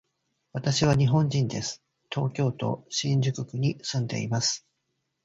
私は日本人です。東京都新宿区に住んでいます。